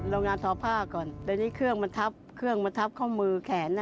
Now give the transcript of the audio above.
โรงงานทอพ่าก่อนดังนี้เครื่องมันทับข้อมือแขน